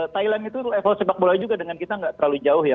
thailand itu level sepak bola juga dengan kita nggak terlalu jauh ya